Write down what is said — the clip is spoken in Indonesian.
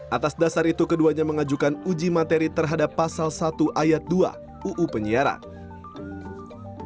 atas dasar itu keduanya mengajukan uji materi terhadap pasal satu ayat dua uu penyiaran